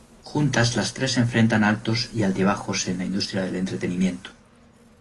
Juntas las tres enfrentan altos y altibajos en la industria del entretenimiento.